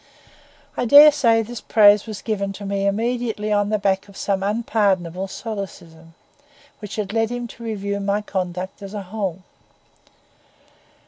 I dare say this praise was given me immediately on the back of some unpardonable solecism, which had led him to review my conduct as a whole.